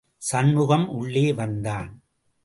சண்முகம் உள்ளே வந்தான்.